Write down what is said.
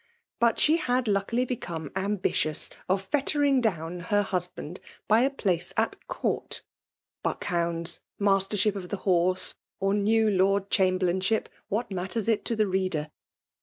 But she had luckily become ambitious of fettering down her hus band by a place at court, (Buckhounds^ Mas tership of the Horse, or new Lord Chamber lainship, — what matters it to the reader